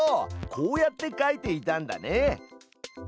こうやって描いていたんだね。